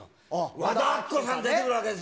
和田アキ子さんが出てくるわけですよ。